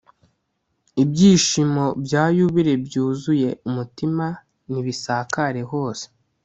ibyishimo bya yubile byuzuye umutima nibisakare hose